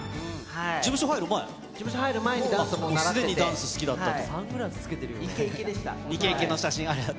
事務所入る前、すでにダンスが好きだったと。